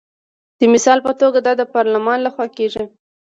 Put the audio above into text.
د مثال په توګه دا د پارلمان لخوا کیږي.